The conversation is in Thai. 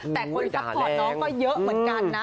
แต่คนซัพพอร์ตน้องก็เยอะเหมือนกันนะ